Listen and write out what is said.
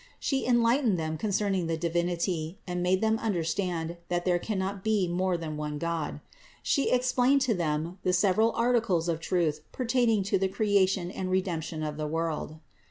She enlight ened them concerning the Divinity and made them under stand that there cannot be more than one God. She ex plained to them the several articles of truth pertaining to the Creation and Redemption of the world.